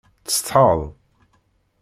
Tsetḥaḍ?